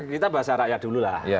kita bahasa rakyat dulu lah